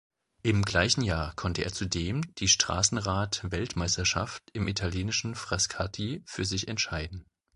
Im gleichen Jahr konnte er zudem die Straßenrad-Weltmeisterschaft im italienischen Frascati für sich entscheiden.